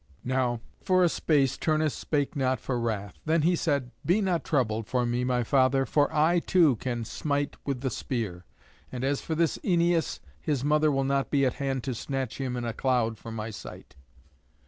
Now for a space Turnus spake not for wrath. Then he said, "Be not troubled for me, my father. For I, too, can smite with the spear; and as for this Æneas, his mother will not be at hand to snatch him in a cloud from my sight."